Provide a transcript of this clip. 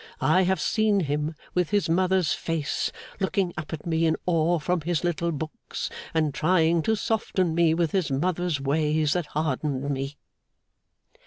I have seen him, with his mother's face, looking up at me in awe from his little books, and trying to soften me with his mother's ways that hardened me.